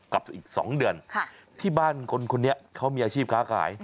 อีก๒เดือนที่บ้านคนนี้เขามีอาชีพค้าขาย